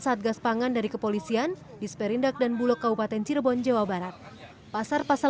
satgas pangan dari kepolisian disperindak dan bulog kabupaten cirebon jawa barat pasar pasar